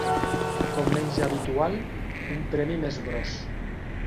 Com menys habitual, un premi més gros.